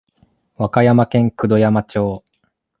和歌山県九度山町